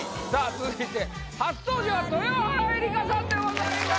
続いて初登場は豊原江理佳さんでございます